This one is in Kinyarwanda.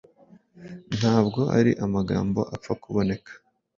ntabwo ari amagambo apfa kuboneka